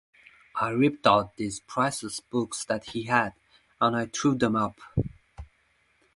I ripped out these priceless books that he had and I threw them up.